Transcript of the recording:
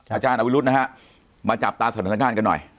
อาจารย์อวิรุตมาจับตาสนัดหนังกันหน่อย